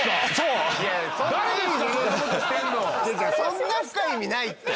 そんな深い意味ないって。